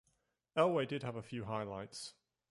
Elway did have a few highlights.